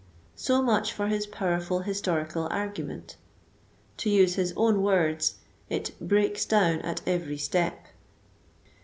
So much for his *' powerful historical argument.'* To use his own words, it " breaks down at every step."